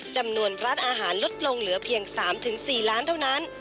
จำนวนร้านอาหารลดลงเหลือเพียง๓๔ล้านเท่านั้น